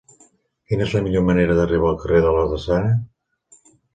Quina és la millor manera d'arribar al carrer de la Drassana?